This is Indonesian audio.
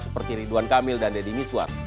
seperti ridwan kamil dan deddy miswar